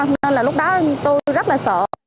nên là lúc đó tôi rất là sợ